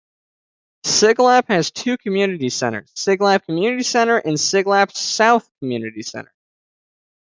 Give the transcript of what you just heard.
Siglap has two community centres, Siglap Community Centre and Siglap South Community Centre.